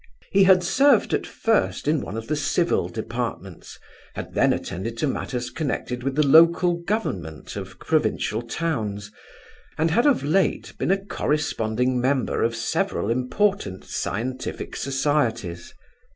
He had served, at first, in one of the civil departments, had then attended to matters connected with the local government of provincial towns, and had of late been a corresponding member of several important scientific societies.